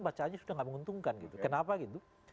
bacaannya sudah tidak menguntungkan gitu kenapa gitu